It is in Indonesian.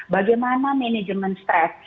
bagaimana manajemen stress